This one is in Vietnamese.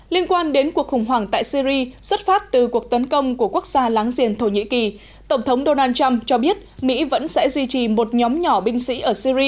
liên quan đến cuộc khủng hoảng tại syri xuất phát từ cuộc tấn công của quốc gia láng giềng thổ nhĩ kỳ tổng thống donald trump cho biết mỹ vẫn sẽ duy trì một nhóm nhỏ binh sĩ ở syri để bảo đảm an ninh